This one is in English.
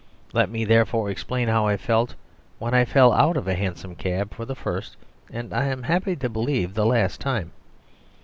Let me, therefore, explain how I felt when I fell out of a hansom cab for the first and, I am happy to believe, the last time.